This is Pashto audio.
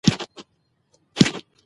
هنر نثر د نثر یو ډول دﺉ.